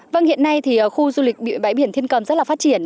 vâng hiện nay thì khu du lịch địa bãi biển thiên cầm rất là phát triển